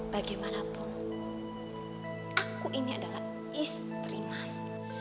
bagaimanapun aku ini adalah istri mas